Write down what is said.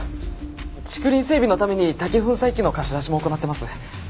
竹林整備のために竹粉砕機の貸し出しも行ってます。